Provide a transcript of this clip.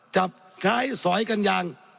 จับใช้สอยกันอย่าง